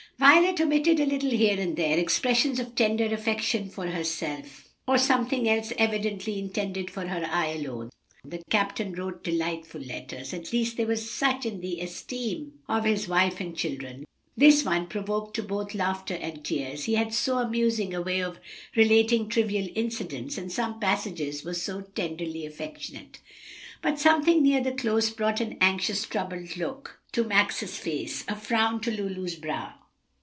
Violet omitted a little here and there expressions of tender affection for herself, or something else evidently intended for her eye alone. The captain wrote delightful letters; at least they were such in the esteem of his wife and children. This one provoked to both laughter and tears, he had so amusing a way of relating trivial incidents, and some passages were so tenderly affectionate. But something near the close brought an anxious, troubled look to Max's face, a frown to Lulu's brow.